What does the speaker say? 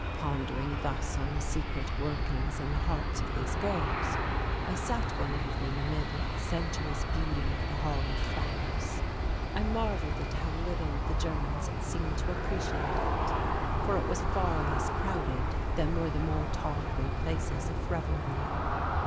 Pondering thus on the secret workings in the hearts of these girls, I sat one evening amid the sensuous beauty of the Hall of Flowers. I marvelled at how little the Germans seemed to appreciate it, for it was far less crowded than were the more tawdry places of revelry.